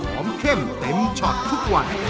เข้มเต็มช็อตทุกวัน